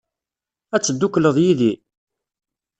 Ad teddukleḍ yid-i?